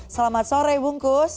selamat sore bungkus